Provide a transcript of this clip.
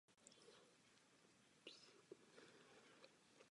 Nacházíme se v procesu zjednodušování administrativních postupů.